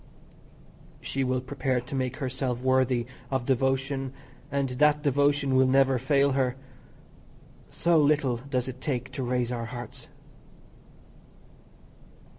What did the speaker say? She will prepare to make herself worthy of devotion, and that devotion will never fail her. So little does it take to raise our hearts.